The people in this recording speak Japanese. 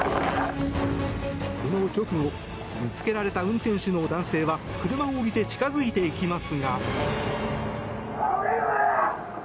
この直後ぶつけられた運転手の男性は車を降りて近づいていきますが。